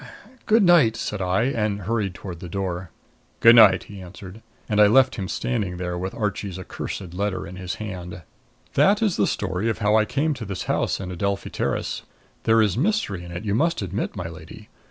"Ah er good night," said I and hurried toward the door. "Good night," he answered, and I left him standing there with Archie's accursed letter in his hand. That is the story of how I came to this house in Adelphi Terrace. There is mystery in it, you must admit, my lady.